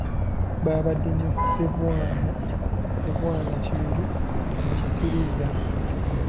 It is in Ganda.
Baabadde ne Ssebwana Ssebwana Kiberu Kisiriiza.